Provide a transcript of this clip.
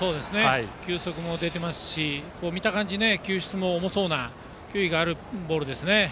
球速も出ていますし見た感じ球質も重そうな球威があるボールですね。